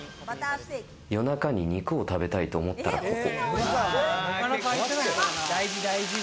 夜中に肉を食べたいと思ったらここ。